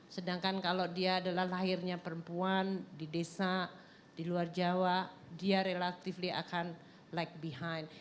sedangkan kalau dia adalah lahirnya perempuan di desa di luar jawa dia relatively akan like behind